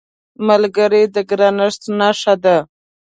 ملګری د ګرانښت نښه ده